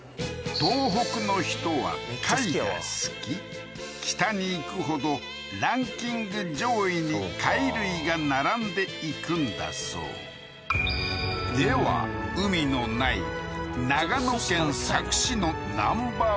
東北の人は貝が好き北に行くほどランキング上位に貝類が並んでいくんだそうでは海のない長野県佐久市のＮｏ．１は？